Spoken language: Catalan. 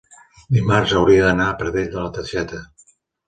dimarts hauria d'anar a Pradell de la Teixeta.